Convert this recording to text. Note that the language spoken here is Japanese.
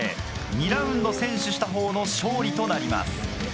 ２ラウンド先取した方の勝利となります。